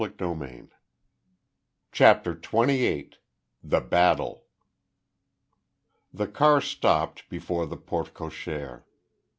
CHAPTER TWENTY EIGHT. THE BATTLE. The car stopped before the porte cochere.